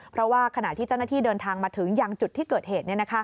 เพราะว่าขณะที่เจ้าหน้าที่เดินทางมาถึงยังจุดที่เกิดเหตุ